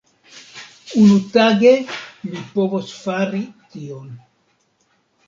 Unutage mi povos fari tion.